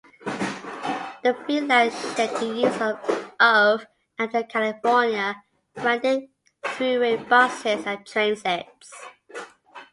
The three lines shared the use of "Amtrak California" branded Thruway buses and trainsets.